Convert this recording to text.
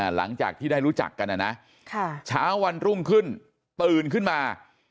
หลังจากที่ได้รู้จักกันนะนะเช้าวันรุ่งขึ้นตื่นขึ้นมา